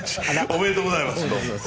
おめでとうございます。